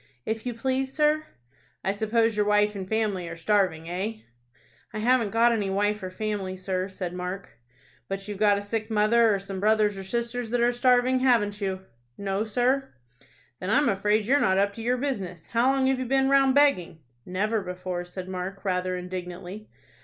"If you please, sir." "I suppose your wife and family are starving, eh?" "I haven't got any wife or family, sir," said Mark. "But you've got a sick mother, or some brothers or sisters that are starving, haven't you?" "No, sir." "Then I'm afraid you're not up to your business. How long have you been round begging?" "Never before," said Mark, rather indignantly.